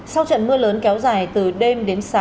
sau trận mưa lớn kéo dài từ đêm đến sáng ngày hôm nay